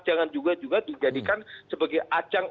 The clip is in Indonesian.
jangan juga juga dijadikan sebagai ajang